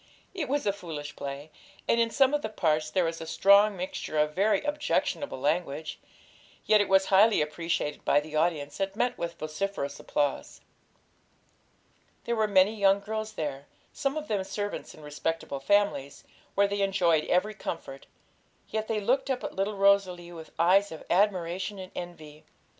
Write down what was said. It was a foolish play, and in some of the parts there was a strong mixture of very objectionable language; yet it was highly appreciated by the audience, and met with vociferous applause. There were many young girls there, some of them servants in respectable families, where they enjoyed every comfort; yet they looked up at little Rosalie with eyes of admiration and envy.